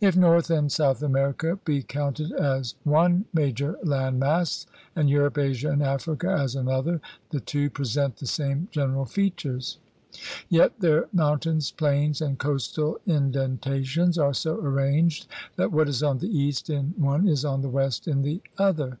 If North and South America be counted as one major land mass, and Europe, Asia, and Africa as another, the two present the same general features. Yet their mountains, plains, and coastal indenta tions are so arranged that what is on the east in one is on the west in the other.